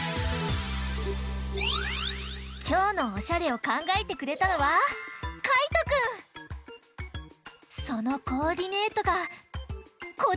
きょうのおしゃれをかんがえてくれたのはそのコーディネートがこちら！